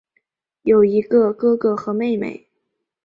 有一个哥哥和妹妹。